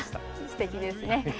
すてきですね！